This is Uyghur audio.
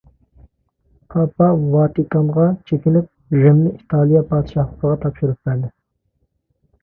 پاپا ۋاتىكانغا چېكىنىپ رىمنى ئىتالىيە پادىشاھلىقىغا تاپشۇرۇپ بەردى.